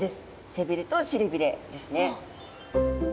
背びれとしりびれですね。